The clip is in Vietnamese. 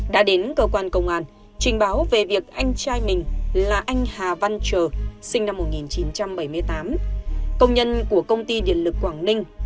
đã đến cơ quan công an trình báo về việc anh trai mình là anh hà văn trờ sinh năm một nghìn chín trăm bảy mươi tám công nhân của công ty điện lực quảng ninh